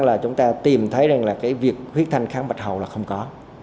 là chúng ta tìm thấy rằng là cái việc huyết thanh kháng bạch hầu là không có